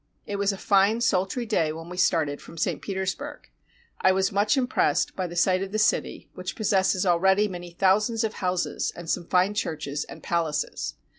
It was a fine, sultry day when we started from St. Petersburg. I was much impressed by the sight of the city, which possesses al ready many thousands of houses and some fine churches and palaces.